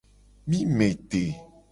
Mi me te.